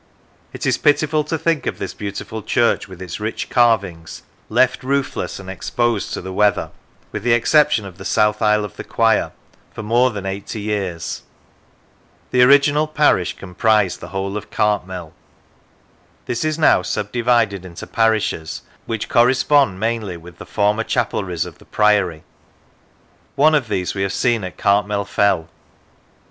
It is pitiful to think of this beautiful church, with its rich carvings, left roofless and exposed to the weather, (with the exception of the south aisle of the choir) for more than eighty years. The original parish com 166 Lonsdale North of the Sands prised the whole of Cartmel. This is now sub divided into parishes which correspond mainly with the former chapelries of the Priory; one of these we have seen at Cartmel Fell.